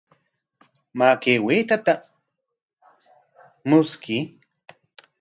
Maa, kay waytata mushkuy.